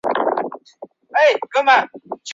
纹胸短沟红萤为红萤科短沟红萤属下的一个种。